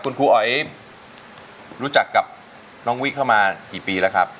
คุณครูอ๋อยรู้จักกับน้องวิเข้ามากี่ปีแล้วครับ